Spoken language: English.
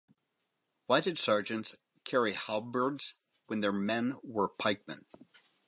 Why did sergeants carry halberds when their men were pikemen?